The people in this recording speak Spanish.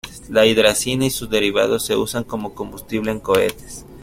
La hidracina y sus derivados se usan como combustible en cohetes.